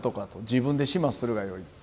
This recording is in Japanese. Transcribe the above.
自分で始末するがよい。